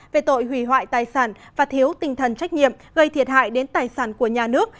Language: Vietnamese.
về tội hủy hoại tài sản và thiếu tinh thần trách nhiệm gây thiệt hại đến tài sản của nhà nước